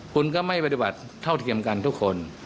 คุณก็ไม่ปฏิบัติเท่าเทียมกันทุกคน